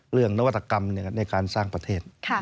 นวัตกรรมในการสร้างประเทศ